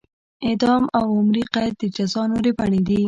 اعدام او عمري قید د جزا نورې بڼې دي.